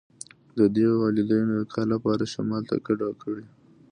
د دوی والدینو د کار لپاره شمال ته کډه کړې